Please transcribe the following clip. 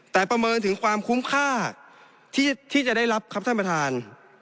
แต่ประเมินถึงความคุ้มค่าที่จะได้รับครับท่านประธาน